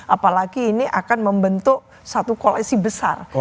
apalagi ini akan membentuk satu koalisi besar